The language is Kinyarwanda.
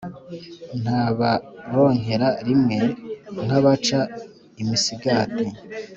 Nta baronkera rimwe nk’abaca imisigati.